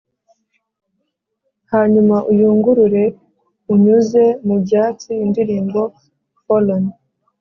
hanyuma uyungurure unyuze mubyatsi indirimbo forlorn